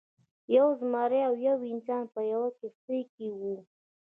یو زمری او یو انسان په یوه کښتۍ کې وو.